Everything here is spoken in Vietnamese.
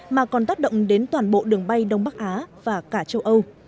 mà còn tác động đến toàn bộ đường bay đông bắc á và cả châu âu